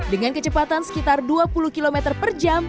dengan kecepatan sekitar dua puluh km per jam